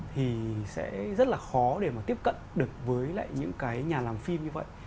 thì sẽ rất là khó để mà tiếp cận được với lại những cái nhà làm phim như vậy